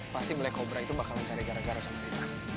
pasti black kobra itu bakal mencari gara gara sama kita